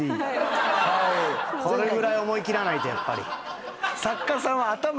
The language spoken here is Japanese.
これぐらい思い切らないと。やっぱり。